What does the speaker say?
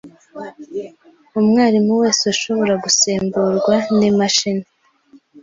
Umwarimu wese ushobora gusimburwa nimashini.